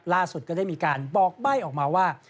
ก็ได้มีการบอกใบ้ออกมาว่า